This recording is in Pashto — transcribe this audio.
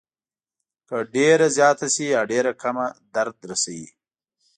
که ډېره زیاته شي یا ډېره کمه درد رسوي.